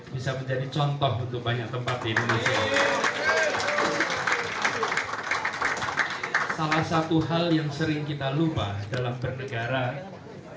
bisa menjadi contoh untuk banyak tempat di indonesia salah satu hal yang sering kita lupa dalam bernegara